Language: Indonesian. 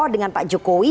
dengan pak jokowi